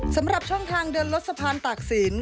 สำหรับช่องทางเดินรถสะพานตากศิลป